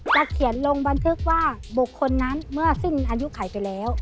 จะเขียนลงบันทึกว่าบุคคลนั้นเมื่อสิ้นอายุไขไปแล้ว